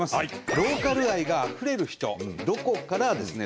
ローカル愛があふれる人「ロコ」からですね